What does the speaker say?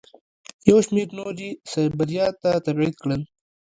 یو شمېر نور یې سایبریا ته تبعید کړل.